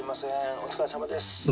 お疲れさまです。